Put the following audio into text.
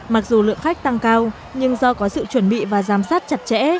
mặc dù lượng khách tăng cao nhưng do có sự chuẩn bị và giám sát chặt chẽ